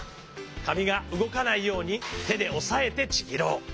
かみがうごかないようにてでおさえてちぎろう。